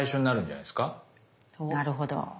なるほど。